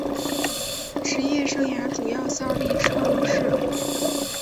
职业生涯主要效力车路士。